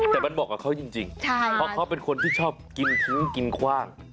แต่มันเหมาะกับเขาจริงเพราะเขาเป็นคนที่ชอบกินทิ้งกินคว่าง